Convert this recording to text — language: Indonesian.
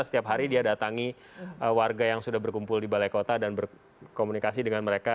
setiap hari dia datangi warga yang sudah berkumpul di balai kota dan berkomunikasi dengan mereka